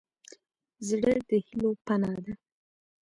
زړه د هيلو پناه ده.